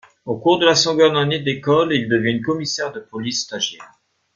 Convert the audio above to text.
Au cours de la seconde année d'école, ils deviennent commissaires de police stagiaires.